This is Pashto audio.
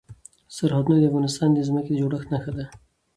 سرحدونه د افغانستان د ځمکې د جوړښت نښه ده.